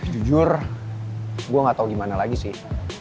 jujur gue gak tau gimana lagi sih